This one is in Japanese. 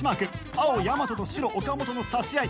青大和と白岡本の差し合い。